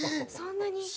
そんなに？